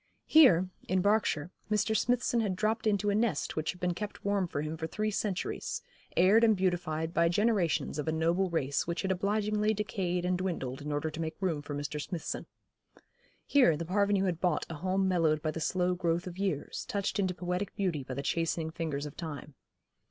Here, in Berkshire, Mr. Smithson had dropped into a nest which had been kept warm for him for three centuries, aired and beautified by generations of a noble race which had obligingly decayed and dwindled in order to make room for Mr. Smithson. Here the Parvenu had bought a home mellowed by the slow growth of years, touched into poetic beauty by the chastening fingers of time.